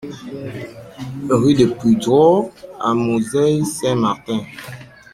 Rue de Puydreau à Mouzeuil-Saint-Martin